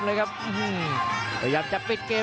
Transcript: สตานท์ภพล็อกนายเกียรติป้องยุทเทียร์